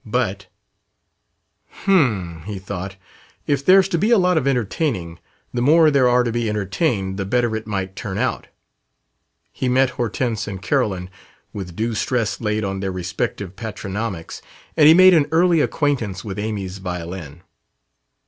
But "Hum!" he thought; "if there's to be a lot of 'entertaining,' the more there are to be entertained the better it might turn out." He met Hortense and Carolyn with due stress laid on their respective patronymics and he made an early acquaintance with Amy's violin.